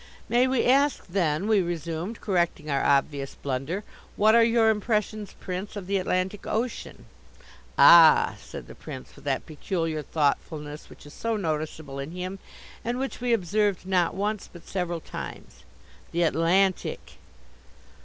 "May we ask then," we resumed, correcting our obvious blunder, "what are your impressions, Prince, of the Atlantic Ocean?" "Ah," said the Prince, with that peculiar thoughtfulness which is so noticeable in him and which we observed not once but several times, "the Atlantic!"